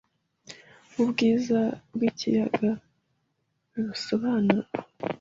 Ubwiza bwikiyaga ntibusobanurwa.